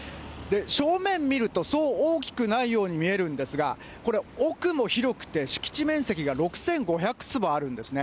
正面見ると、そう大きくないように見えるんですが、これ、奥も広くて、敷地面積が６５００坪あるんですね。